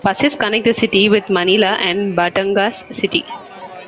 Buses connect the city with Manila and Batangas City.